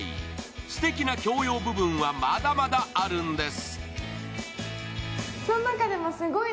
すてきな共用部分はまだまだあるんです。